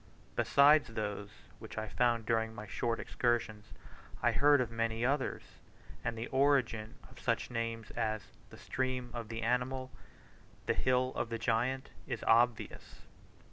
Besides those which I found during my short excursions, I heard of many others, and the origin of such names as "the stream of the animal," "the hill of the giant," is obvious.